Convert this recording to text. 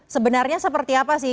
sebenarnya seperti apa sih